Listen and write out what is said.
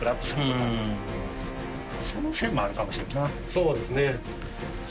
そうですね。